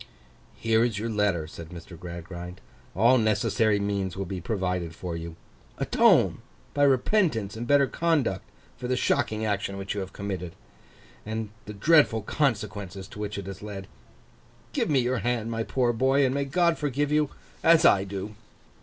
'Here is your letter,' said Mr. Gradgrind. 'All necessary means will be provided for you. Atone, by repentance and better conduct, for the shocking action you have committed, and the dreadful consequences to which it has led. Give me your hand, my poor boy, and may God forgive you as I do!